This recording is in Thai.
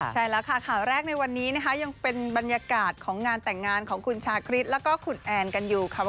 ใช่แล้วค่ะข่าวแรกในวันนี้นะคะยังเป็นบรรยากาศของงานแต่งงานของคุณชาคริสแล้วก็คุณแอนกันอยู่ค่ะ